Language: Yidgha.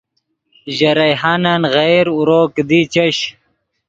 ژے ریحانن غیر اورو کیدی چش